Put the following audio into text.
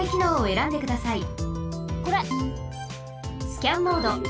スキャンモード。